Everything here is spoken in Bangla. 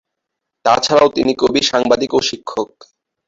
তাছাড়াও তিনি কবি, সাংবাদিক ও শিক্ষক।